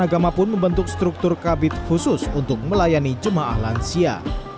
agama pun membentuk struktur kabit khusus untuk melayani jemaah lansia